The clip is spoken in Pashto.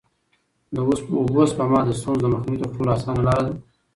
د اوبو سپما د ستونزو د مخنیوي تر ټولو اسانه لاره ده.